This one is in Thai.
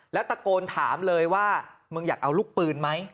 แล้วตะโกนถามเลยว่ามึงอยากเอาลูกปืนไหม